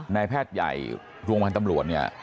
ในแพทย์ใหญ่รวมราชตำรวจเนี๊ยะ